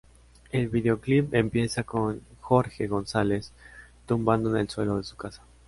El videoclip empieza con Jorge González tumbado en el suelo de su casa.